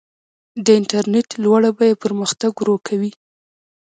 د انټرنیټ لوړه بیه پرمختګ ورو کوي.